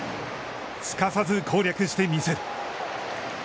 すかさず攻略してみせる。